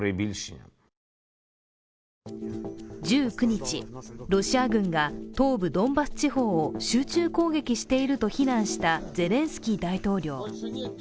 １９日、ロシア軍が東部ドンバス地方を集中攻撃していると非難したゼレンスキー大統領。